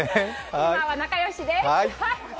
今は仲よしでーす。